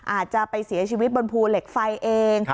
อาจจะไปเสียชีวิตบนภูเหล็กไฟเอง